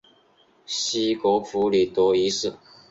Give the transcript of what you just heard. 西格弗里德一世。